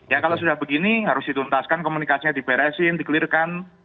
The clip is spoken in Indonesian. ya kalau sudah begini harus dituntaskan komunikasinya diperesin dikelirkan